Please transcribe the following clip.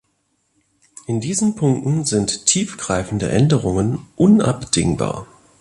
In diesen Punkten sind tief greifende Änderungen unabdingbar.